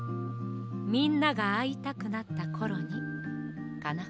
みんながあいたくなったころにかな。